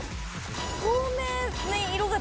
透明な色。